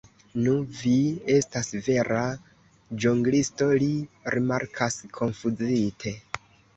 Nu, vi estas vera ĵonglisto, li rimarkas konfuzite.